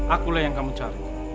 akulah yang kamu cari